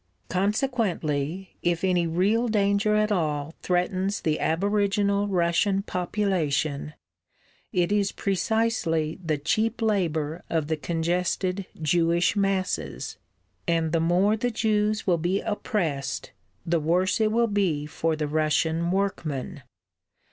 Consequently, if any real danger at all threatens the aboriginal Russian population, it is precisely the cheap labour of the congested Jewish masses, and the more the Jews will be oppressed the worse it will be for the Russian workman!